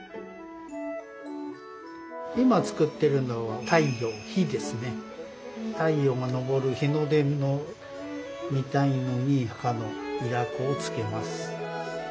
今作っているのは太陽太陽が昇る日の出みたいに赤のいら粉をつけます。